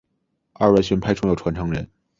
二万学派重要传承人。